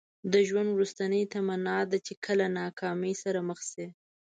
د ژوند وروستۍ تمنا ده چې کله ناکامۍ سره مخ شئ.